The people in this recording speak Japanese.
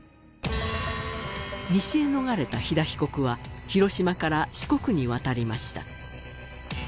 西へ逃れた樋田被告は広島から四国に渡りました